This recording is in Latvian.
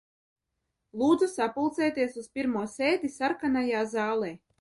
Lūdzu sapulcēties uz pirmo sēdi Sarkanajā zālē.